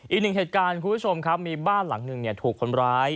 อีกหนึ่งเหตุการณ์คุณผู้ชมครับมีบ้านหลังหนึ่งถูกคนร้าย